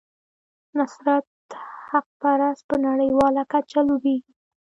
نصرت حقپرست په نړیواله کچه لوبیږي.